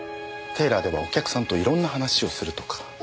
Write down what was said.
テーラーではお客さんといろんな話をするとか。